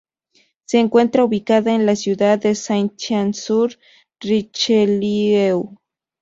Se encuentra ubicada en la ciudad de Saint-Jean-sur-Richelieu.